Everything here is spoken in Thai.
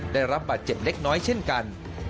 ได้รับบาดเจ็บเล็กน้อยเช่นกัน